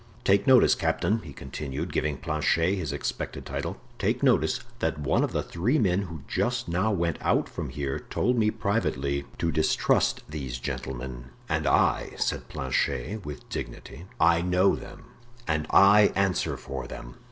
"Take notice, captain," he continued, giving Planchet his expected title, "take notice that one of the three men who just now went out from here told me privately to distrust these gentlemen." "And I," said Planchet, with dignity, "I know them and I answer for them."